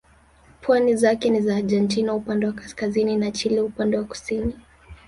Pwani zake ni za Argentina upande wa kaskazini na Chile upande wa kusini.